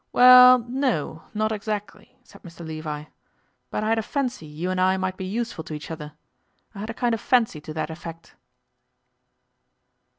'Well no, not exactly,' said Mr Levi. 'But I had a fancy you and I might be useful to each other; I had a kind of fancy to that effect.